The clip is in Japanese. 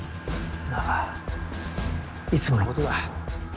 まあいつものことだ。